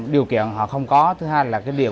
điều kiện họ không có thứ hai là cái điều